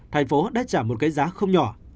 thành phố đã trả một cái giá không nhỏ